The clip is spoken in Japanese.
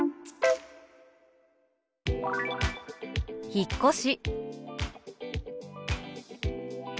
「引っ越し」。